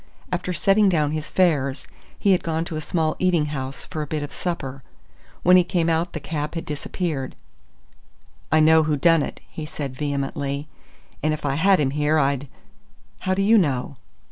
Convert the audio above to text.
After setting down his fares, he had gone to a small eating house for a bit of supper. When he came out the cab had disappeared. "I know who done it," he said vehemently, "and if I had him here, I'd...." "How do you know?"